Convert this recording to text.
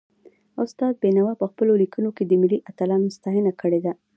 استاد بينوا په پخپلو ليکنو کي د ملي اتلانو ستاینه کړې ده.